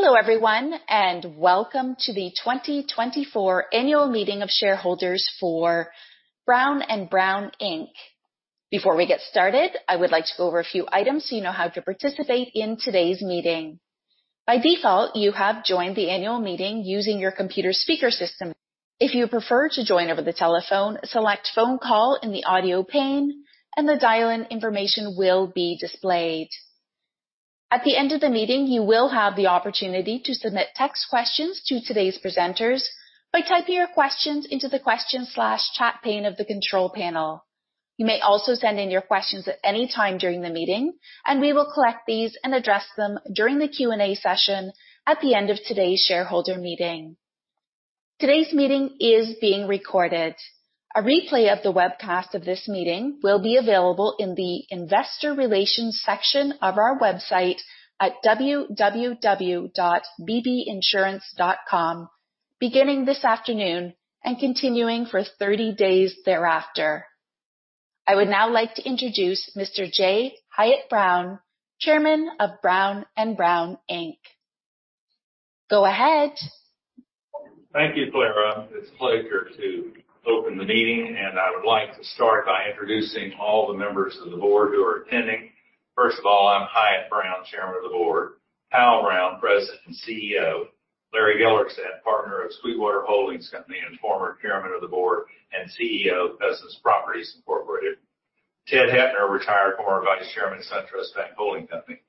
Hello everyone, and welcome to the 2024 annual meeting of shareholders for Brown & Brown, Inc. Before we get started, I would like to go over a few items so you know how to participate in today's meeting. By default, you have joined the annual meeting using your computer speaker system. If you prefer to join over the telephone, select "Phone Call" in the audio pane, and the dial-in information will be displayed. At the end of the meeting, you will have the opportunity to submit text questions to today's presenters by typing your questions into the questions/chat pane of the control panel. You may also send in your questions at any time during the meeting, and we will collect these and address them during the Q&A session at the end of today's shareholder meeting. Today's meeting is being recorded. A replay of the webcast of this meeting will be available in the "Investor Relations" section of our website at www.bbinsurance.com, beginning this afternoon and continuing for 30 days thereafter. I would now like to introduce Mr. J. Hyatt Brown, Chairman of Brown & Brown, Inc. Go ahead. Thank you, Clara. It's a pleasure to open the meeting, and I would like to start by introducing all the members of the board who are attending. First of all, I'm Hyatt Brown, Chairman of the Board, Hal Brown, President and CEO, Larry Gellerstaedt, partner of Sweetwater Holdings Company and former Chairman of the Board and CEO of Pezos Properties Incorporated, Ted Heppner, retired former Vice Chairman at SunTrust Bank Holding Company,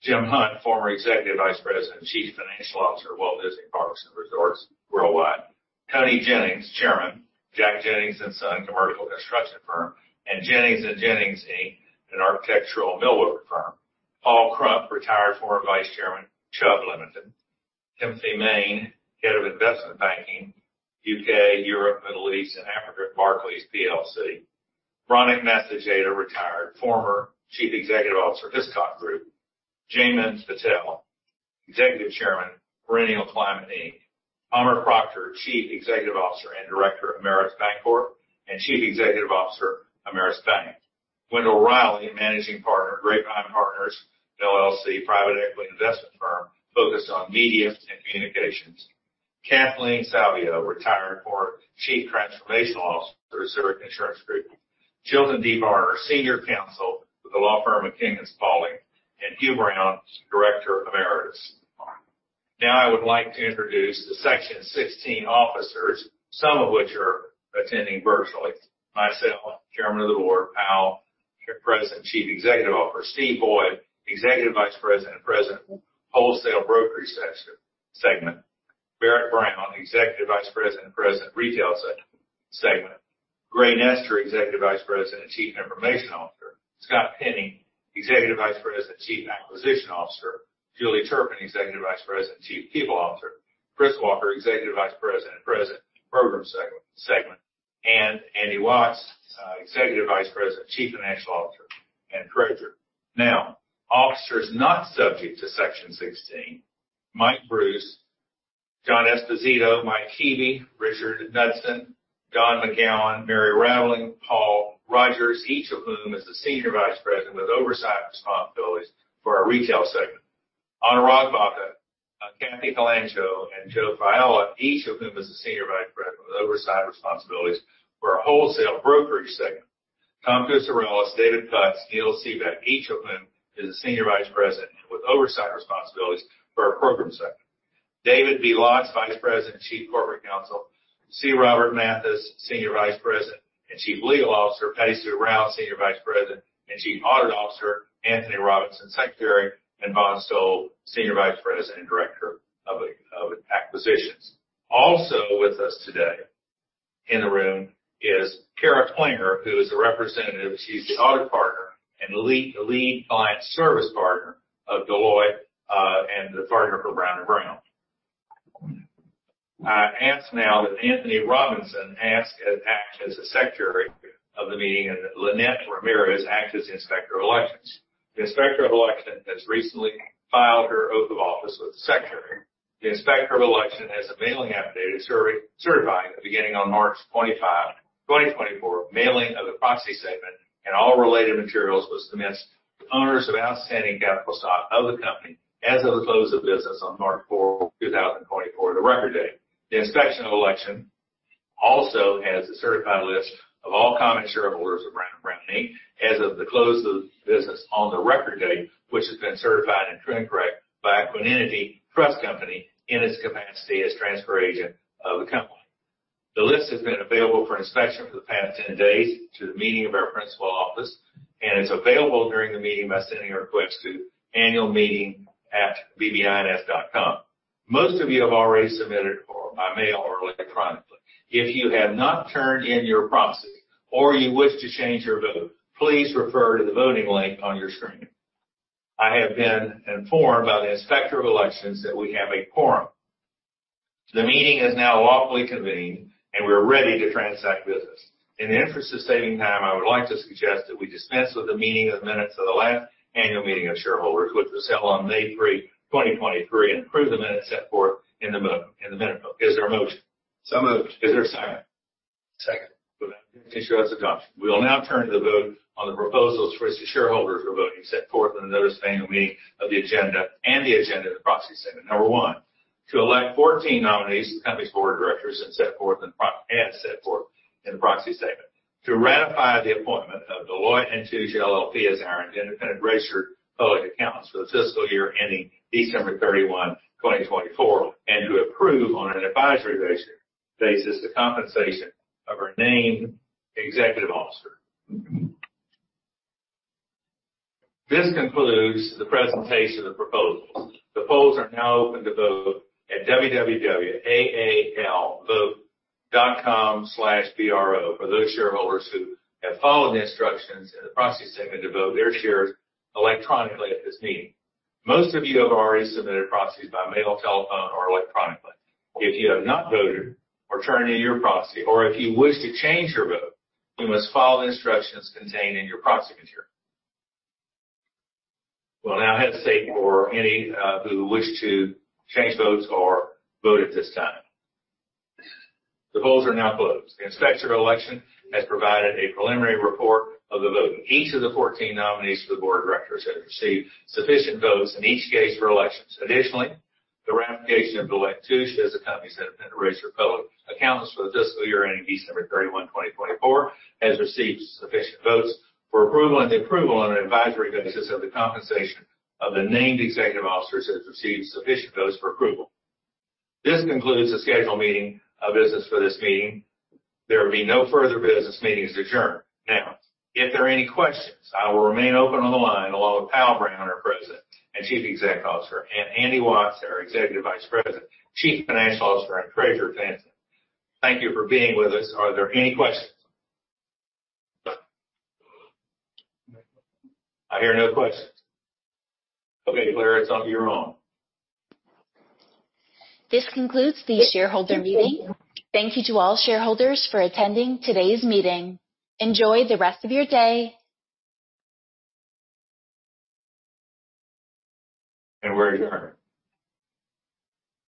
Jim Hunt, former Executive Vice President and Chief Financial Officer of Walt Disney Parks and Resorts Worldwide, Tony Jennings, Chairman, Jack Jennings & Son, commercial construction firm, and Jennings & Jennings, Inc., an architectural millworker firm, Paul Krupp, retired former Vice Chairman, Chubb Ltd, Timothy Main, Head of Investment Banking, UK, Europe, Middle East, and Africa, Barclays PLC, Ronik Masageda, retired, former Chief Executive Officer of Hiscox Group, Jaymin Patel, Executive Chairman, Perennial Climate Inc., Amr Proctor, Chief Executive Officer and Director of Ameris Bancorp and Chief Executive Officer of Ameris Bank, Wendell Riley, Managing Partner, Grapevine Partners LLC, private equity investment firm focused on media and communications, Kathleen Savio, retired former Chief Transformational Officer of Zurich Insurance Group, Chilton D. Barner, Senior Counsel with the law firm King & Spalding, and Hugh Brown, Director of Ameritas. Now I would like to introduce the Section 16 officers, some of which are attending virtually: myself, Chairman of the Board, Hal, President, Chief Executive Officer, Steve Boyd, Executive Vice President and President, Wholesale Brokerage Segment, Barrett Brown, Executive Vice President and President, Retail Segment, Gray Nestor, Executive Vice President and Chief Information Officer, Scott Penny, Executive Vice President and Chief Acquisition Officer, Julie Turpin, Executive Vice President and Chief People Officer, Chris Walker, Executive Vice President and President, Program Segment, and Andy Watts, Executive Vice President and Chief Financial Officer, and Procure. Now, officers not subject to Section 16: Mike Bruce, John Esposito, Mike Hebe, Richard Nutsen, Don McGowan, Mary Raveling, Paul Rogers, each of whom is the Senior Vice President with oversight responsibilities for our Retail Segment, Ana Ragbata, Kathy Colanco, and Joe Fiala, each of whom is the Senior Vice President with oversight responsibilities for our Wholesale Brokerage Segment, Tom Cucirellis, David Putts, Neil Sivek, each of whom is the Senior Vice President with oversight responsibilities for our Program Segment, David B. Watts, Vice President and Chief Corporate Counsel, C. Robert Mathis, Senior Vice President and Chief Legal Officer, Patti Sue Rao, Senior Vice President and Chief Audit Officer, Anthony Robinson, Secretary, and Von Stole, Senior Vice President and Director of Acquisitions. Also with us today in the room is Kara Klinger, who is a representative. She's the audit partner and the lead client service partner of Deloitte & Touche LLP and the partner for Brown & Brown, Inc. I ask now that Anthony Robinson act as the Secretary of the meeting and that Lynette Ramirez act as the Inspector of Elections. The Inspector of Elections has recently filed her oath of office with the Secretary. The Inspector of Elections has a mailing affidavit certifying that beginning on March 25, 2024, mailing of the proxy statement and all related materials was commenced to owners of outstanding capital stock of the company as of the close of business on March 4, 2024, the record date. The Inspector of Elections also has a certified list of all common shareholders of Brown & Brown, Inc. as of the close of business on the record date, which has been certified and is true and correct by Equiniti Trust Company in its capacity as transfer agent of the company. The list has been available for inspection for the past 10 days prior to the meeting at our principal office, and it's available during the meeting by sending a request to annualmeeting@bbins.com. Most of you have already submitted by mail or electronically. If you have not turned in your proxies or you wish to change your vote, please refer to the voting link on your screen. I have been informed by the Inspector of Elections that we have a quorum. The meeting is now lawfully convened, and we are ready to transact business. In the interest of saving time, I would like to suggest that we dispense with the reading of the minutes of the last annual meeting of shareholders, which was held on May 3, 2023, and approve the minutes set forth in the minutes book. Is there a motion? So moved. Is there a second? Second. Without objection, it goes to adoption. We will now turn to the vote on the proposals for the shareholders for voting set forth in the notice of the annual meeting of the agenda and the agenda of the proxy statement. Number one, to elect 14 nominees for the company's board of directors as set forth in the proxy statement, to ratify the appointment of Deloitte & Touche LLP as our independent registered public accountants for the fiscal year ending December 31, 2024, and to approve on an advisory basis the compensation of our named executive officers. This concludes the presentation of the proposals. The polls are now open to vote at www.aalvote.com/bro for those shareholders who have followed the instructions in the proxy statement to vote their shares electronically at this meeting. Most of you have already submitted proxies by mail, telephone, or electronically. If you have not voted or turned in your proxy, or if you wish to change your vote, you must follow the instructions contained in your proxy material. We will now have a seat for any who wish to change votes or vote at this time. The polls are now closed. The Inspector of Elections has provided a preliminary report of the vote. Each of the 14 nominees for the board of directors has received sufficient votes in each case for election. Additionally, the ratification of Deloitte & Touche as the company's independent registered public accountants for the fiscal year ending December 31, 2024, has received sufficient votes for approval, and the approval on an advisory basis of the compensation of the named executive officers has received sufficient votes for approval. This concludes the scheduled meeting of business for this meeting. There will be no further business. Meeting is adjourned. Now, if there are any questions, I will remain open on the line along with Hal Brown, our President and Chief Executive Officer, and Andy Watts, our Executive Vice President, Chief Financial Officer, and Procure Management. Thank you for being with us. Are there any questions? I hear no questions. Okay, Clara, it's on your own. This concludes the shareholder meeting. Thank you to all shareholders for attending today's meeting. Enjoy the rest of your day. We're adjourned.